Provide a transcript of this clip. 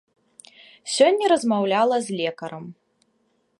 Сёння размаўляла з лекарам.